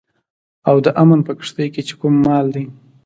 او د امن په کښتئ کې چې کوم مال دی